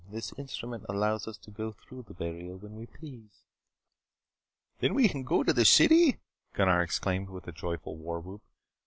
This instrument allows us to go through the barrier when we please." "Then we can go to the city?" Gunnar exclaimed with a joyful war whoop.